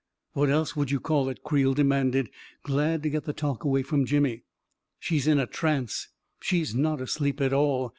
" What else would you call it? " Creel demanded, glad to get the talk away from Jimmy. " She's in a trance — she's not asleep at all.